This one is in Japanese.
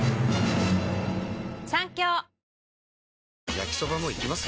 焼きソバもいきます？